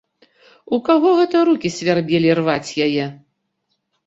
У каго гэта рукі свярбелі рваць яе?